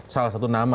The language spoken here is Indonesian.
salah satu nama